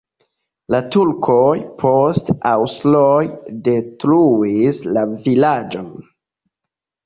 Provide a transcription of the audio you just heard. La turkoj, poste aŭstroj detruis la vilaĝon.